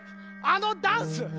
あのダンス！